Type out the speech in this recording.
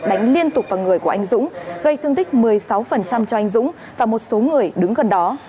đánh liên tục vào người của anh dũng gây thương tích một mươi sáu cho anh dũng và một số người đứng gần đó